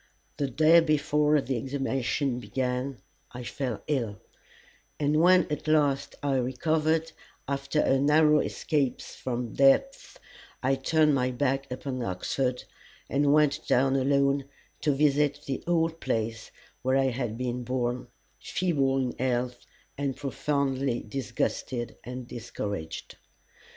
The day before the examination began I fell ill; and when at last I recovered, after a narrow escape from death, I turned my back upon Oxford, and went down alone to visit the old place where I had been born, feeble in health and profoundly disgusted and discouraged.